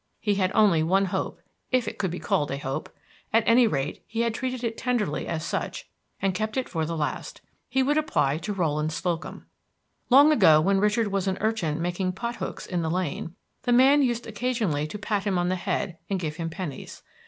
He had only one hope, if it could be called a hope; at any rate, he had treated it tenderly as such and kept it for the last. He would apply to Rowland Slocum. Long ago, when Richard was an urchin making pot hooks in the lane, the man used occasionally to pat him on the head and give him pennies.